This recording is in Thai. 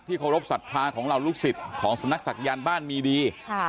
ที่เคารพสัตวาของเราลูกศิษย์ของสำนักศักดิ์ยันต์บ้านมีดี